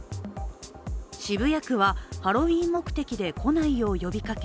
渋谷区はハロウィーン目的で来ないよう呼びかけ